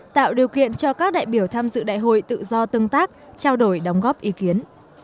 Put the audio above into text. tạo điều kiện cho các đại biểu tham dự đại hội tự do tương tác trao đổi đóng góp ý kiến